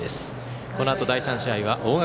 このあと第３試合は大垣